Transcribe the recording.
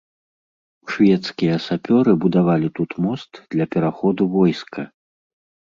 Шведскія сапёры будавалі тут мост для пераходу войска.